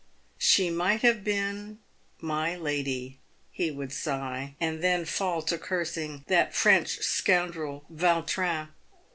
* She might have been ' My Lady,' " he would sigh, and then fall to cursing that French scoundrel Vautrin.